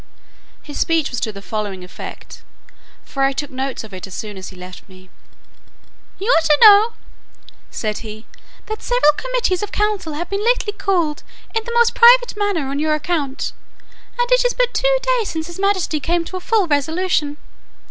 His speech was to the following effect, for I took notes of it as soon as he left me:— "You are to know," said he, "that several committees of council have been lately called, in the most private manner, on your account; and it is but two days since his majesty came to a full resolution.